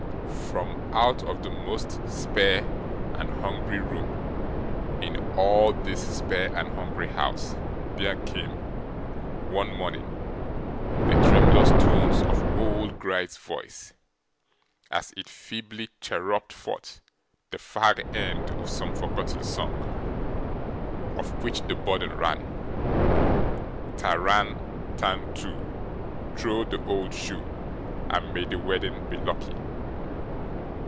From out the most spare and hungry room in all this spare and hungry house there came, one morning, the tremulous tones of old Gride's voice, as it feebly chirruped forth the fag end of some forgotten song, of which the burden ran: Ta ran tan too, Throw the old shoe, And may the wedding be lucky!